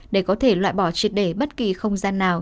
để có thể loại bỏ triệt đề bất kỳ không gian nào